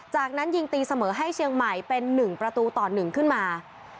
จากนั้นยิงตีเสมอให้เชียงใหม่เป็น๑ประตูต่อ๑ขึ้นมา